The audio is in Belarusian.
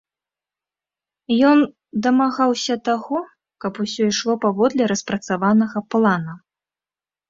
Ён дамагаўся таго, каб усё ішло паводле распрацаванага плана.